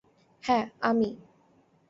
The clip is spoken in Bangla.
হ্যাঁ, আমি।